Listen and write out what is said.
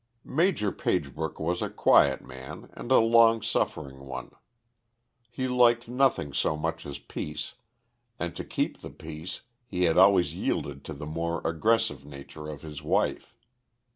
Major Pagebrook was a quiet man and a long suffering one. He liked nothing so much as peace, and to keep the peace he had always yielded to the more aggressive nature of his wife.